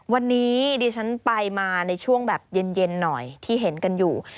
วันนี้ดิฉันไปมาในช่วงแบบเย็นหน่อยที่เห็นกันอยู่